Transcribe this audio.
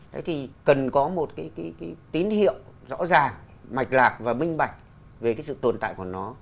thế thì cần có một cái tín hiệu rõ ràng mạch lạc và minh bạch về cái sự tồn tại của nó